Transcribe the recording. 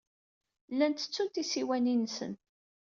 Llan ttettun tisiwanin-nsen.